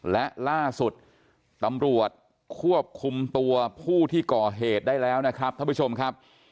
และล่าสุดตำรวจควบคุมตัวผู้ที่ก่อเหตุได้แล้วนะครับท่านผู้ชมครับ